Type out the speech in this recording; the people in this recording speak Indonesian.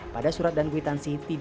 pada surat dan kuitansi